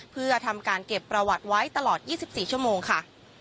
เพื่อทำการเก็บประวัติไว้ตลอด๒๔ชั่วโมงค่ะ